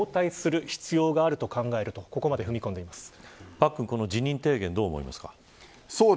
パックンこの辞任提言どう思いますか。